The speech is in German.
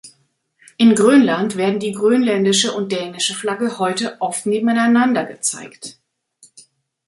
In Grönland werden die grönländische und dänische Flagge heute oft nebeneinander gezeigt.